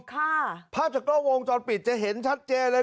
ภาพจากกล้องวงจรปิดจะเห็นชัดเจนเลย